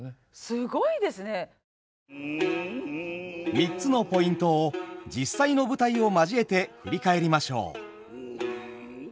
３つのポイントを実際の舞台を交えて振り返りましょう。